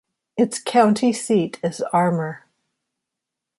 Its county seat is Armour.